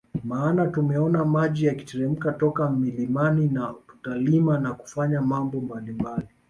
Maana tumeona maji yakiteremka toka milimani na tutalima na kufanya mambo mbalimbali